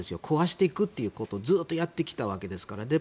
壊していくということをずっとやってきたわけですから。